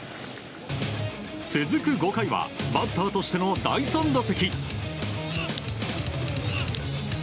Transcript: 続く５回はバッターとしての第３打席。